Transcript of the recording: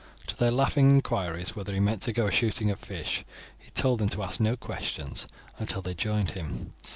To their laughing inquiries whether he meant to go a shooting of fish, he told them to ask no questions until they joined him.